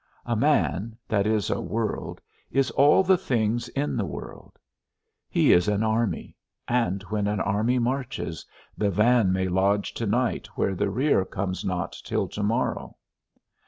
A man, that is a world, is all the things in the world; he is an army, and when an army marches, the van may lodge to night where the rear comes not till to morrow.